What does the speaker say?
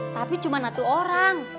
tapi cuma atu orang